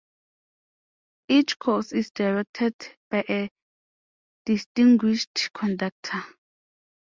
Each course is directed by a distinguished conductor.